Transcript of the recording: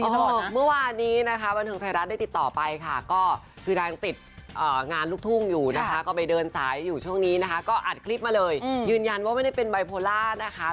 ใช่หรือนางดูอารมณ์ดีตลอดน่ะ